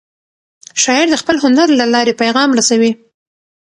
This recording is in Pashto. شاعر د خپل هنر له لارې پیغام رسوي.